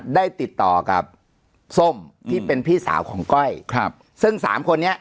ได้ติดต่อกับส้มที่เป็นพี่สาวของก้อยครับซึ่งสามคนนี้